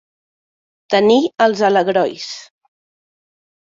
Tenir els alegrois.